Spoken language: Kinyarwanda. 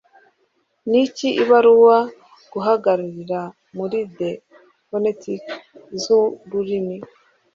Ni iki Ibaruwa guhagararira Mu The Phonetic z'ururimi?